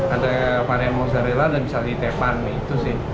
ada varian mozzarella dan bisa ditepan itu sih